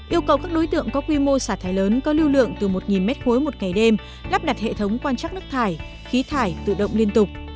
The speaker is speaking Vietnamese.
yêu cầu các đối tượng có quy mô xả thải lớn có lưu lượng từ một m ba một ngày đêm lắp đặt hệ thống quan trắc nước thải khí thải tự động liên tục